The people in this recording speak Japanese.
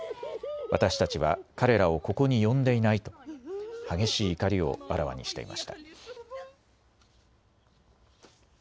私たちは彼らをここに呼んでいないと激しい怒りをあらわにしていました。